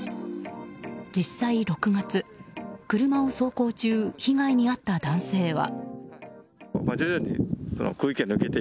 実際６月、車を走行中被害に遭った男性は。